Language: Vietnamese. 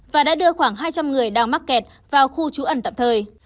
và đã đưa khoảng hai trăm linh người đang mắc kẹt vào khu trú ẩn tạm thời